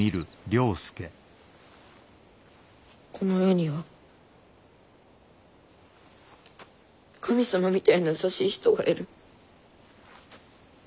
この世には神様みたいな優しい人がいる。